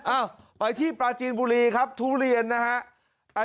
อ้าวไปที่ปลาจีนบุรีครับทุเรียนนะฮะ